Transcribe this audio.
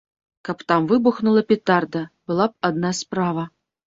Калі б там выбухнула петарда, была б адна справа.